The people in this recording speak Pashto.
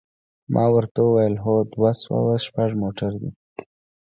ما ورته وویل: هو، دوه سوه شپږ موټر دی.